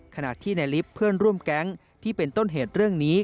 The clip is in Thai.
ขณะที่ในลิฟต์เพื่อนร่วมแก๊งที่เป็นต้นเหตุเรื่องนี้